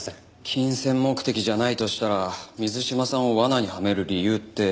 金銭目的じゃないとしたら水島さんを罠にはめる理由って。